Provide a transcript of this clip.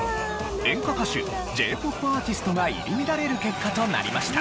演歌歌手Ｊ−ＰＯＰアーティストが入り乱れる結果となりました。